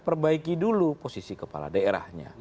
perbaiki dulu posisi kepala daerahnya